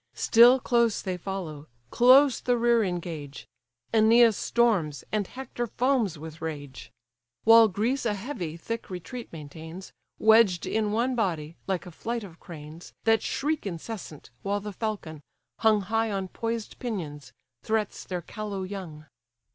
Still close they follow, close the rear engage; Æneas storms, and Hector foams with rage: While Greece a heavy, thick retreat maintains, Wedged in one body, like a flight of cranes, That shriek incessant, while the falcon, hung High on poised pinions, threats their callow young.